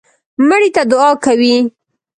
مړي ته دعا کوئ